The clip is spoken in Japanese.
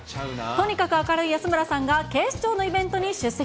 とにかく明るい安村さんが警視庁のイベントに出席。